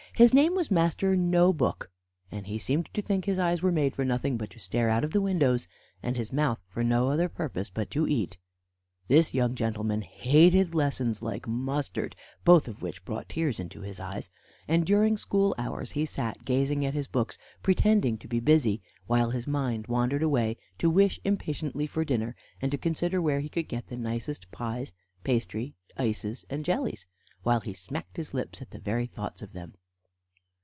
His name was Master No book, and he seemed to think his eyes were made for nothing but to stare out of the windows, and his mouth for no other purpose but to eat. This young gentleman hated lessons like mustard, both of which brought tears into his eyes, and during school hours he sat gazing at his books, pretending to be busy, while his mind wandered away to wish impatiently for dinner, and to consider where he could get the nicest pies, pastry, ices, and jellies, while he smacked his lips at the very thoughts of them.